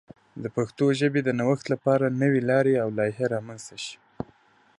د پښتو ژبې د نوښت لپاره نوې لارې او لایحې رامنځته شي.